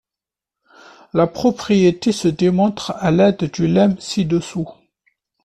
La propriété se démontre à l'aide du lemme ci-dessous.